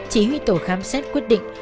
chỉ huy tổ khám xét quyết định